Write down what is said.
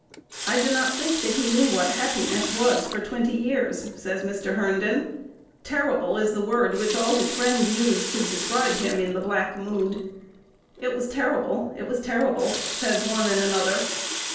"I do not think that he knew what happiness was for twenty years," says Mr. Herndon. "Terrible" is the word which all his friends use to describe him in the black mood. "It was terrible! It was terrible!" says one and another.